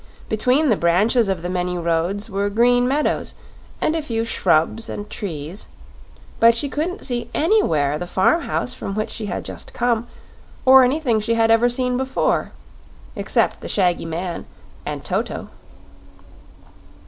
Between the branches of the many roads were green meadows and a few shrubs and trees, but she couldn't see anywhere the farm house from which she had just come, or anything she had ever seen before except the shaggy man and Toto.